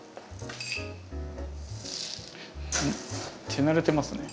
手慣れてますね。